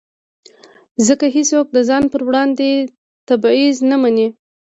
ځکه هېڅوک د ځان پر وړاندې تبعیض نه مني.